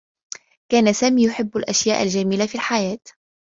كان سامي يحبّ الأشياء الجميلة في الحياة.